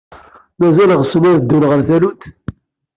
Mazal ɣsen ad ddun ɣer tallunt?